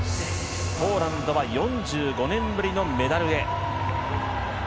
ポーランドは４５年ぶりのメダルへ。